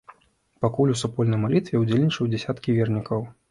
Пакуль у супольнай малітве ўдзельнічаюць дзясяткі вернікаў.